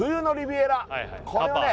これをね